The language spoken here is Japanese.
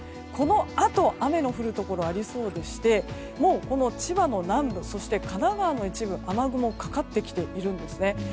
このあと雨の降るところありそうでして千葉の南部、神奈川の一部雨雲がかかってきているんです。